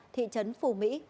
thị trấn phù mỹ